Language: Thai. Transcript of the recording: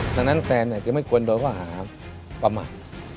ดังนั้นแซนจะไม่ควรโดนข้อหาประมาท